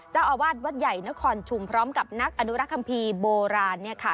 เจ้าอาวาสวัดใหญ่นครชุมพร้อมกับนักอนุรักษ์คัมภีร์โบราณเนี่ยค่ะ